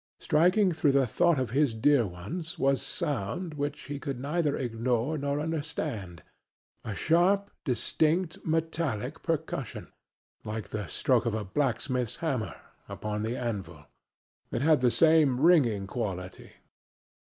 Striking through the thought of his dear ones was a sound which he could neither ignore nor understand, a sharp, distinct, metallic percussion like the stroke of a blacksmith's hammer upon the anvil; it had the same ringing quality.